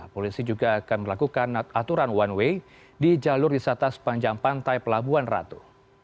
polisi juga akan melakukan aturan one way di jalur wisata sepanjang pantai pelabuhan ratu